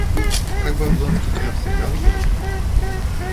Как бы Облонский не обстрелял его?